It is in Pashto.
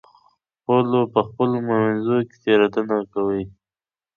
په خپلو منځونو کې تېرېدنه کوئ.